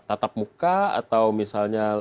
tatap muka atau misalnya